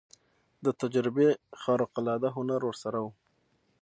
د تجربې خارق العاده هنر ورسره و.